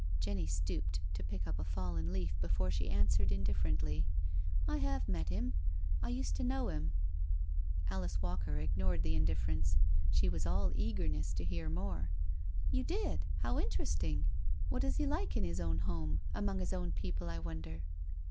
Jenny stooped to pick up a fallen leaf before she answered indifferently: " I have met him—I used to know him " THE DINNER PARTY 217 Alice Walker ignored the indifference. She was all eagerness to hear more« "You did? How interesting! What is he like in his own home, among his own people, I wonder?"